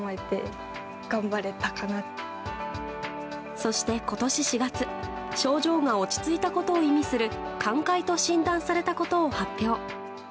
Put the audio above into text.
そして今年４月症状が落ち着いたことを意味する寛解と診断されたことを発表。